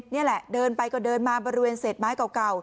นี่แหละเดินไปก็เดินมาบริเวณเศษไม้เก่า